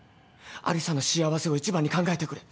有沙の幸せを一番に考えてくれ。